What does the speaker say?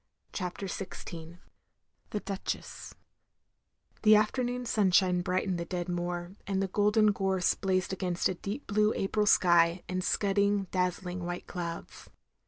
CHAPTER XVI THE DUCHESS The afternoon stanshine brightened the dead moor, and the golden gorse blazed against a deep blue April sky and scudding, dazzling, white clouds.